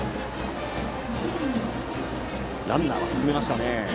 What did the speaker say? ランナーは進めましたね。